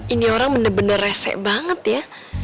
ini orang bener bener rese banget ya